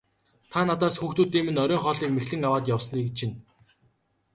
Та надаас хүүхдүүдийн минь оройн хоолыг мэхлэн аваад явсныг чинь.